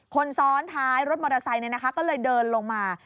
คนซ้อนท้ายรถมอเตอร์ไซค์ก็เลยเดินลงมา